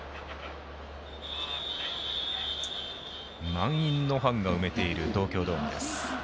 満員のファンが埋めている東京ドームです。